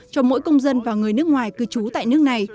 cho mỗi công dân và người nước ngoài cư trú tại nước này